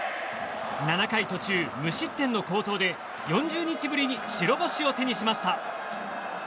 ７回途中無失点の好投で４０日ぶりに白星を手にしました。